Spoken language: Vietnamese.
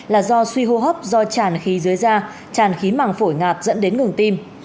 là do suy hô hấp do tràn khí dưới da tràn khí màng phổi ngạt dẫn đến ngừng tim